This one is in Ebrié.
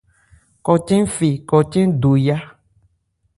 Kɔcɛn fe kɔcɛn do yá.